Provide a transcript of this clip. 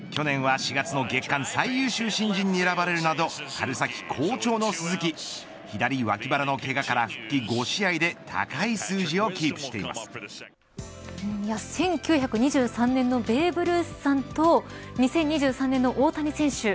去年は４月の月間最優秀新人に選ばれるなど春先好調の鈴木左脇腹のけがから復帰５試合で１９２３年のベーブ・ルースさんと２０２３年の大谷選手